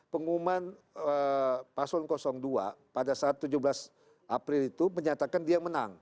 pengumuman paslon dua pada saat tujuh belas april itu menyatakan dia menang